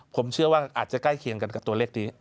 ผมเชื่อว่าอาจจะใกล้เคียงกันกับตัวเลขนี้